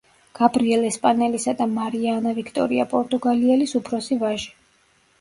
გაბრიელ ესპანელისა და მარია ანა ვიქტორია პორტუგალიელის უფროსი ვაჟი.